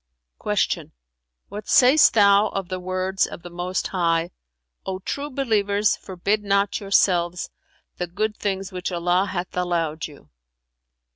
'" Q "What sayst thou of the words of the Most High, 'O true believers, forbid not yourselves the good things which Allah hath allowed you?'"